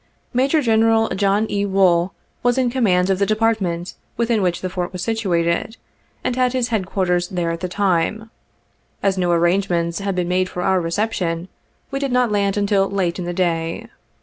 Major General John E. Wool was in command of the Department within which the Fort was situated, and had his headquarters there at the time. — As no arrangements had been made for our reception, we did not land until late in the day.